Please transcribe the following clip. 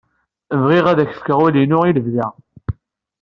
Bɣiɣ ad ak-fkeɣ ul-inu i lebda.